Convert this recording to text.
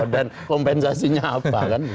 dan kompensasinya apa kan